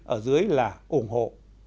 ở dưới là ủng hộ